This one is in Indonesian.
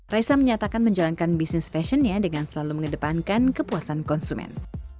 raisa menyatakan menjalankan bisnis fashionnya dengan selalu mengedepankan kepuasan konsumen